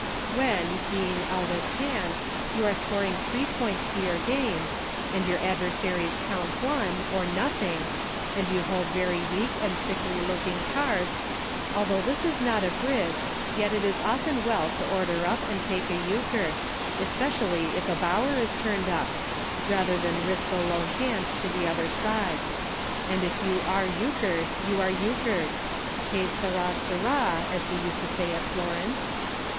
When, being eldest hand, you are scoring three points to your game, and your adversa ries count one, or nothing, and you hold very weak and sickly looking cards, although this is not a Bridge, yet it is often well to order up and take a Euchre — especially if a Bower is turned up— rather than risk a lone hand to the other side ; and if you are Euchred, you are Euchred — que sara sara, as we used to say at Florence.